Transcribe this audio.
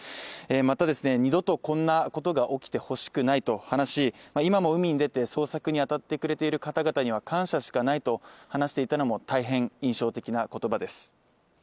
またですね二度とこんなことが起きて欲しくないと話し今も海に出て捜索にあたってくれている方々には感謝しかないと話していたのも大変印象的な言葉です。